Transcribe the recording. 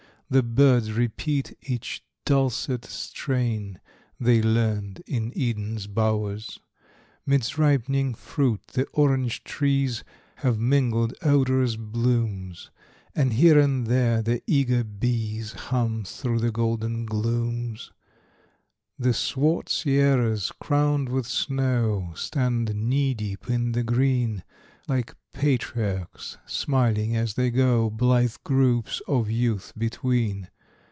The birds repeat each dulcet strain They learned in Eden's bowers. 'Midst ripening fruit, the orange trees Have mingled odorous blooms, And here and there the eager bees Hum through the golden glooms. The swart Sierras, crowned with snow, Stand knee deep in the green, Like patriarchs smiling as they go Blithe groups of youth between.